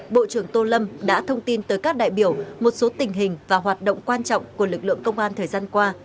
bộ trưởng tô lâm đã thông tin tới các đại biểu một số tình hình và hoạt động quan trọng của lực lượng công an thời gian qua